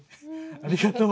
ありがとう。